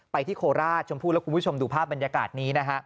ไปที่โคลาสชมพูดกับคุณผู้ชมดูภาพบรรยากาศนี้